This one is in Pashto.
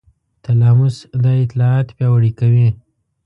تلاموس دا اطلاعات پیاوړي کوي.